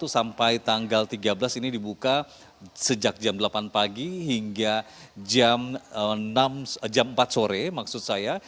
sampai tanggal tiga belas ini dibuka sejak jam delapan pagi hingga jam empat sore maksud saya